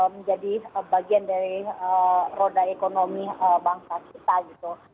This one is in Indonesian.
menjadi bagian dari roda ekonomi bangsa kita gitu